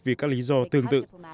vì các lý do tương tự